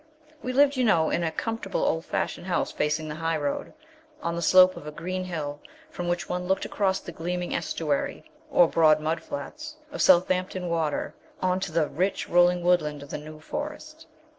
We lived, you know, in a comfortable old fashioned house facing the highroad, on the slope of a green hill from which one looked across the gleaming estuary (or the broad mud flats) of Southampton Water on to the rich, rolling woodland of the New Forest.